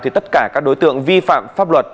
thì tất cả các đối tượng vi phạm pháp luật